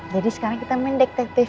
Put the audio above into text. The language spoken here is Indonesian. jadi sekarang kita main dektatif dektatif ya